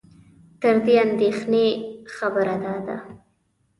تر دې اندېښنې خبره دا ده